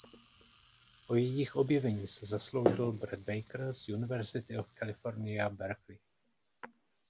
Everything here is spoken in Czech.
O jejich objevení se zasloužil Brett Baker z University of California Berkeley.